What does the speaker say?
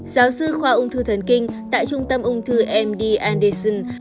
giáo sư khoa ung thư thần kinh tại trung tâm ung thư md andation